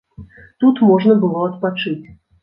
Тут можна было адпачыць.